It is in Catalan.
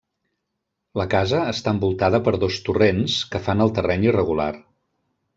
La casa està envoltada per dos torrents, que fan el terreny irregular.